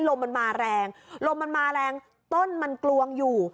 ลมมันมาแรงต้นมันกรวงอยู่